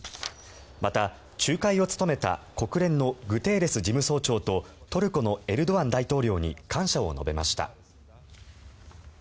また、仲介を務めた国連のグテーレス事務総長とトルコのエルドアン大統領に感謝を述べました。